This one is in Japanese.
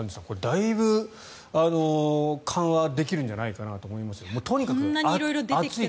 だいぶ緩和できるんじゃないかなと思いますがとにかく暑いから。